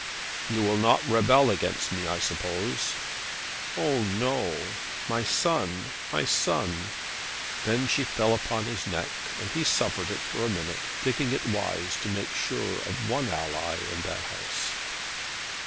"You will not rebel against me, I suppose." "Oh, no; my son, my son!" Then she fell upon his neck, and he suffered it for a minute, thinking it wise to make sure of one ally in that house.